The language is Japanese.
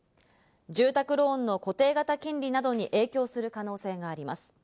住宅ローンの固定型金利などに影響する可能性があります。